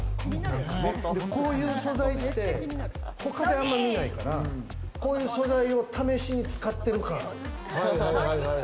こういう素材って、他であんまり見ないから、こういう素材を試しに使ってる感ある。